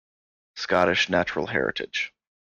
Scottish Natural Heritage.